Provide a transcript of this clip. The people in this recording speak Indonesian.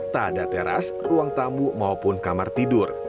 tak ada teras ruang tamu maupun kamar tidur